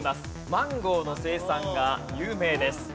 マンゴーの生産が有名です。